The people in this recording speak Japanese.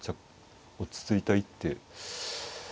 落ち着いた一手で。